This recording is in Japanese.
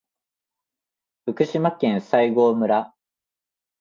福島県西郷村